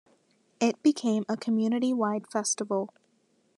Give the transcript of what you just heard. It became a community-wide festival.